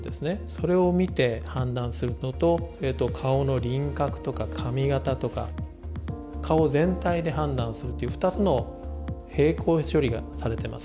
それを見て判断するのと顔の輪郭とか髪形とか顔を全体で判断するっていう２つの並行処理がされてます。